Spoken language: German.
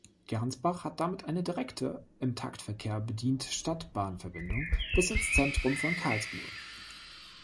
Gernsbach hat damit eine direkte, im Taktverkehr bediente Stadtbahn-Verbindung bis ins Zentrum von Karlsruhe.